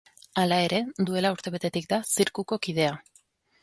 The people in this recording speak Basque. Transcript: Hala ere, duela urtebetetik da zirkuko kidea.